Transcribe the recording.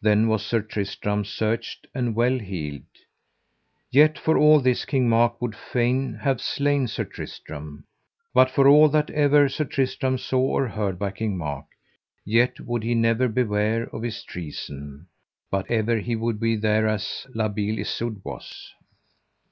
Then was Sir Tristram searched and well healed. Yet for all this King Mark would fain have slain Sir Tristram. But for all that ever Sir Tristram saw or heard by King Mark, yet would he never beware of his treason, but ever he would be thereas La Beale Isoud was.